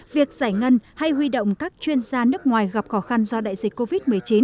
việc giải ngân hay huy động các chuyên gia nước ngoài gặp khó khăn do đại dịch covid một mươi chín